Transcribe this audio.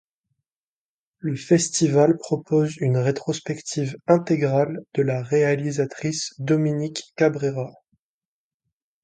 Le festival propose une rétrospective intégrale de la réalisatrice Dominique Cabrera.